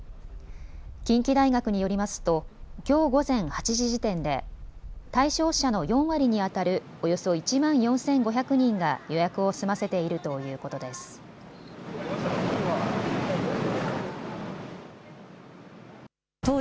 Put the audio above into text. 近畿大学によりますときょう午前８時時点で対象者の４割にあたるおよそ１万４５００人が予約を済ませているということです。